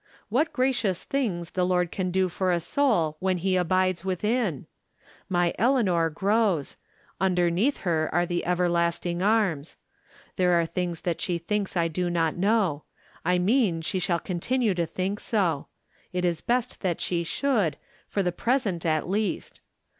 What gracious things the Lord can do for a soul when he abides within ! My Eleanor grows ; underneath her are the Ever lasting Arms. There are things that she thinks I do not know ; I mean she shall continue to think so ; it is best that she should, for the pres ent, at least.